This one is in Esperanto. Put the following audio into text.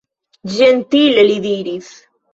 Ĝentile li diris: